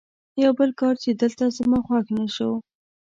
یو بل کار چې دلته زما خوښ نه شو.